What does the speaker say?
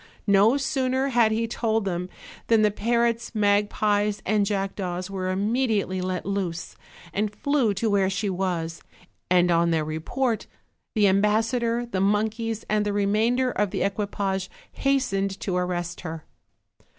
No sooner had he told them than the parrots, magpies and jackdaws were immediately let loose, and flew to where she was; and on their report the ambassador, the monkeys and the remainder of the equipage hastened to arrest her.